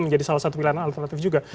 menjadi salah satu wilayah alternatif juga